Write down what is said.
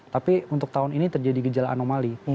tapi untuk tahun ini terjadi gejala anomali